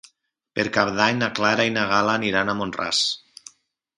Per Cap d'Any na Clara i na Gal·la aniran a Mont-ras.